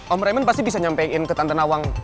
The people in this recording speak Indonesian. om raymond pasti bisa nyampein ke tante nawang